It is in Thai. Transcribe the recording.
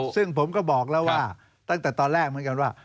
ซึ่งผมก็บอกแล้วว่าตั้งแต่ตอนแรกเหมือนกันว่า